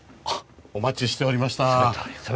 お待ちしておりました。